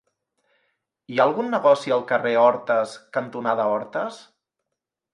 Hi ha algun negoci al carrer Hortes cantonada Hortes?